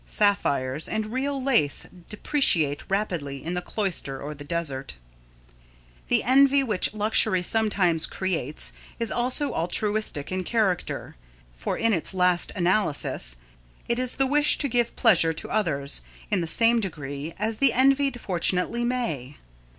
Sapphires and real lace depreciate rapidly in the cloister or the desert. The envy which luxury sometimes creates is also altruistic in character, for in its last analysis, it is the wish to give pleasure to others, in the same degree, as the envied fortunately may.